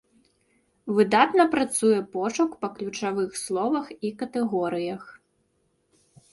Выдатна працуе пошук па ключавых словах і катэгорыях.